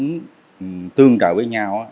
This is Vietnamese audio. cái truyền thống tương trợ với nhau á